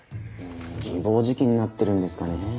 自暴自棄になってるんですかねえ。